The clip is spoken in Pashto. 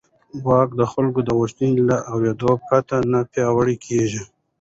واک د خلکو د غوښتنو له اورېدو پرته نه پیاوړی کېږي.